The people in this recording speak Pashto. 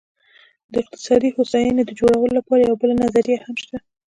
د اقتصادي هوساینې د جوړولو لپاره یوه بله نظریه هم شته.